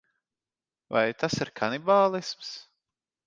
Vai tas ir kanibālisms?